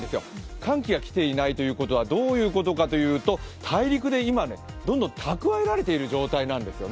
寒気が来ていないということはどういうことかというと大陸で今どんどん蓄えられている状態なんですね。